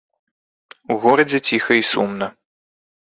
У горадзе ціха і сумна.